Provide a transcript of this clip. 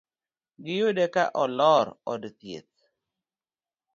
Gi yudo ka olor od thieth